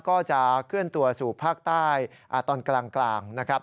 ก็จะเคลื่อนตัวสู่ภาคใต้ตอนกลางนะครับ